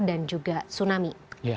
dan juga tsunami